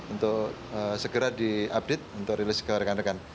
untuk segera diupdate untuk rilis ke rekan rekan